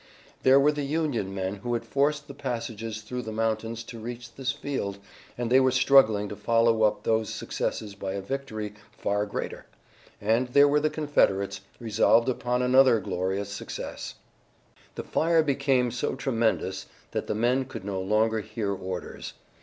There were the Union men who had forced the passes through the mountains to reach this field, and they were struggling to follow up those successes by a victory far greater, and there were the Confederates resolved upon another glorious success. The fire became so tremendous that the men could no longer hear orders.